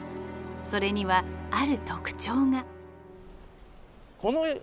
それにはある特徴が。